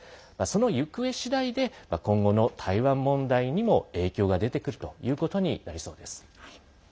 その行方しだいで今後の台湾問題にも影響が出てくるということになりそうです。